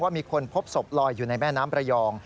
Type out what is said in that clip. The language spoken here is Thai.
มีคนพบศพลอยอยู่ในแม่น้ำระยอง